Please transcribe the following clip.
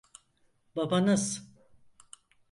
Babanız.